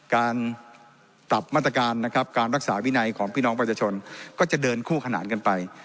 การปรับมาตรการนะครับการรักษาวินัยของพี่น้องประชาชนก็จะเดินคู่ขนานกันไป